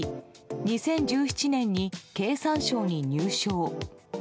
２０１７年に経産省に入省。